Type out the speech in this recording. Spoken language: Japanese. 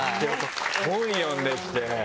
本読んでって。